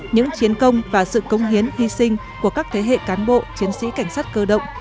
những chiến công và sự công hiến hy sinh của các thế hệ cán bộ chiến sĩ cảnh sát cơ động